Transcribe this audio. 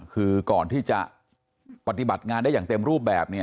คือก่อนที่จะปฏิบัติงานได้อย่างเต็มรูปแบบเนี่ย